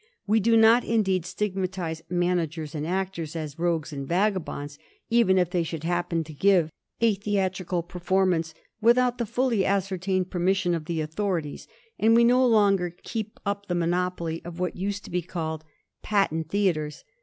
We do not, indeed, stigma tize managers and actors as rogues and vagabonds, even if they should happen to give a theatrical performance without the fully ascertained permission of the authorities, and we no longer keep up the monopoly of what used to be called the patent theatres.